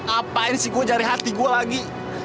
apaan sih gue jari hati gue lagi